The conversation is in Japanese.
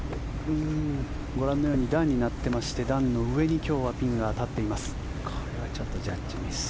ご覧のように段になっていまして段の上に今日はピンが立っています。